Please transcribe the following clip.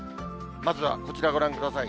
まずはこちらご覧ください。